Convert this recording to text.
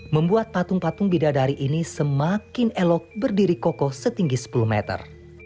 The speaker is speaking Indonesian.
membuat patung patung bidadari ini semakin elok berdiri kokoh setinggi sepuluh meter